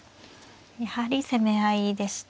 やはり攻め合いでした。